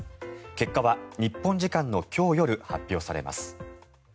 結果は日本時間の今日夜発表されます。